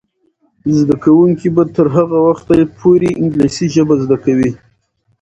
زده کوونکې به تر هغه وخته پورې انګلیسي ژبه زده کوي.